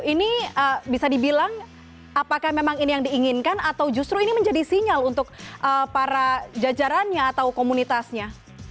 ini bisa dibilang apakah memang ini yang diinginkan atau justru ini menjadi sinyal untuk para jajarannya atau komunitasnya